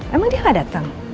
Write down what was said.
emang dia gak dateng